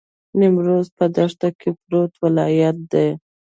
نیمروز په دښت کې پروت ولایت دی.